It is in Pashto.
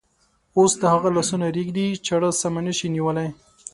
اوس د هغه لاسونه رېږدي، چاړه سمه نشي نیولی.